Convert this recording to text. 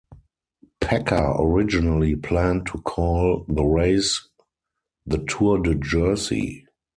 Packer originally planned to call the race the Tour de Jersey.